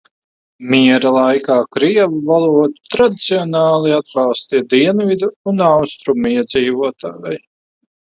Miera laikā krievu valodu tradicionāli atbalstīja dienvidu un austrumu iedzīvotāji.